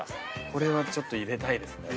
これはちょっと入れたいですね。